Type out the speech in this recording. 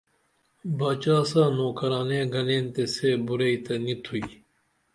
باچا ساں نوکرانے گنین تے سے بُراعی تہ نی تُھوئی